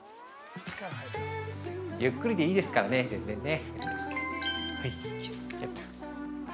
◆ゆっくりでいいですからね全然ね。